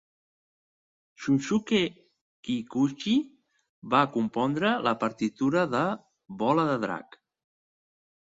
Shunsuke Kikuchi va compondre la partitura de "Bola de drac".